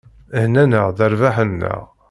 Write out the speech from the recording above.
Hennan-aɣ-d rrbeḥ-nneɣ.